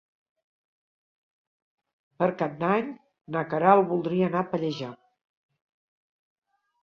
Per Cap d'Any na Queralt voldria anar a Pallejà.